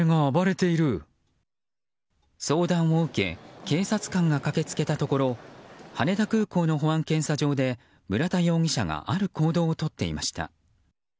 相談を受け警察官が駆け付けたところ羽田空港の保安検査場で村田容疑者がある行動をとっていました。